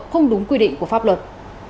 không đúng quy định của pháp luật